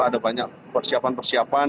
ada banyak persiapan persiapan